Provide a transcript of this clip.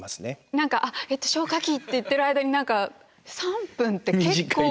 何か「あっ消火器」って言ってる間に何か３分って結構短い。